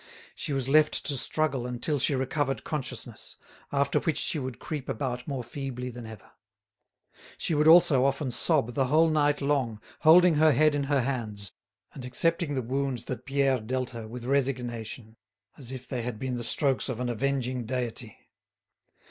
She was left to struggle until she recovered consciousness, after which she would creep about more feebly than ever. She would also often sob the whole night long, holding her head in her hands, and accepting the wounds that Pierre dealt her with resignation, as if they had been the strokes of an avenging deity.